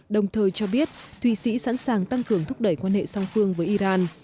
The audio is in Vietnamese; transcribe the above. đồng thời cho biết thụy sĩ sẵn sàng tăng cường thúc đẩy quan hệ song phương với iran